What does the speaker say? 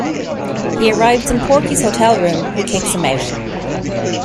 He arrives in Porky's hotel room who kicks him out.